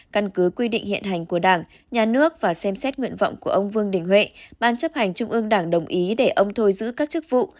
căn cứ quy định hiện hành của đảng nhà nước và xem xét nguyện vọng của ông vương đình huệ ban chấp hành trung ương đảng đồng ý để ông thôi giữ các chức vụ